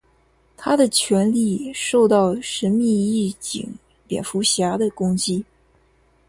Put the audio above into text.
他的权力受到神秘义警蝙蝠侠的攻击。